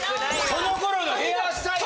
その頃のヘアスタイルが。